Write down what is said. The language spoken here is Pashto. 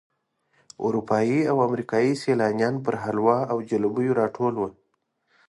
اروپایي او امریکایي سیلانیان پر حلواو او جلبیو راټول وي.